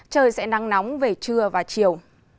trời sẽ nắng nóng về trưa và chiều